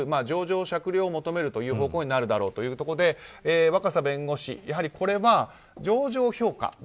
情状酌量を求めるという方向になるだろうということで若狭弁護士やはりこれは情状評価